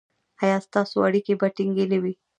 ایا ستاسو اړیکې به ټینګې نه وي؟